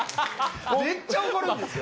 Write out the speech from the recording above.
めっちゃ怒るんですよ。